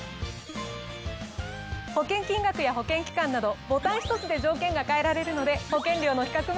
保険金額や保険期間などボタン１つで条件が変えられるので。